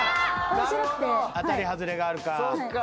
当たり外れがあるか。